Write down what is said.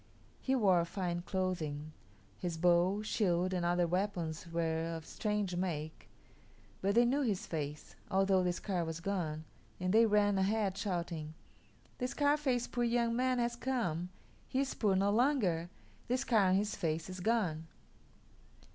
He wore fine clothing; his bow, shield, and other weapons were of strange make; but they knew his face, although the scar was gone, and they ran ahead, shouting, "The Scarface poor young man has come. He is poor no longer. The scar on his face is gone."